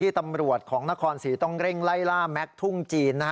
ตำรวจของนครศรีต้องเร่งไล่ล่าแม็กซ์ทุ่งจีน